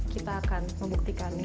kita akan membuktikannya